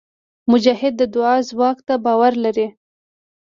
مجاهد د دعا ځواک ته باور لري.